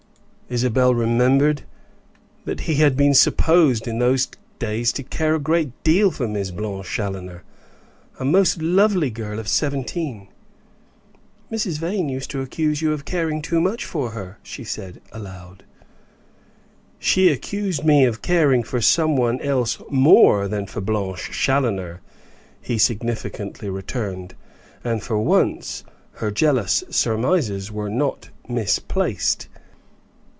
Isabel remembered that he had been supposed in those days to care a great deal for Miss Blanche Challoner a most lovely girl of seventeen. "Mrs. Vane used to accuse you of caring too much for her," she said, aloud. "She accused me of caring for some one else more than for Blanche Challoner," he significantly returned; "and for once her jealous surmises were not misplaced.